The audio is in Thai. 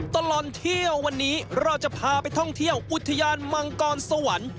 ตลอดเที่ยววันนี้เราจะพาไปท่องเที่ยวอุทยานมังกรสวรรค์